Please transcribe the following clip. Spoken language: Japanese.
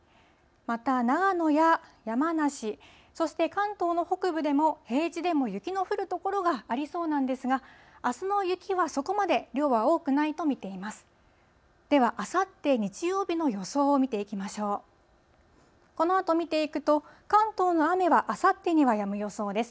また長野や山梨、そして関東の北部でも、平地でも雪の降る所がありそうなんですが、あすの雪はそこまで量は多くないと見ています。